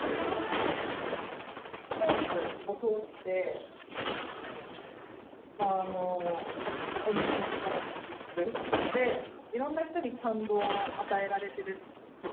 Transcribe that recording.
スポーツを通して、オリンピック・パラリンピックで、いろんな人に感動を与えられてる。